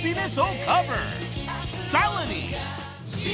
［さらに］